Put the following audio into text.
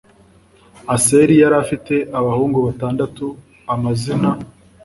Aseli yari afite abahungu batandatu amazina